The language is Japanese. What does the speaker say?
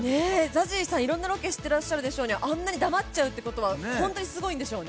ＺＡＺＹさん、いろんなロケしてらっしゃるでしょうに、あんなにだまっちゃうってことは本当にすごいんでしょうね。